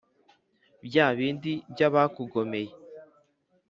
byabindi by’abakugomeye!